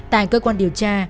tại cơ quan điều tra